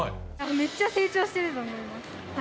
めっちゃ成長してると思います。